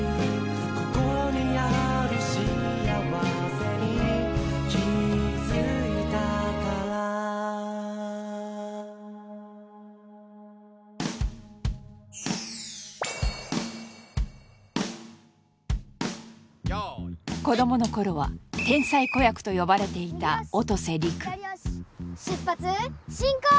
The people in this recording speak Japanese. ここにある幸せに気づいたから子供の頃は天才子役と呼ばれていた音瀬陸出発進行！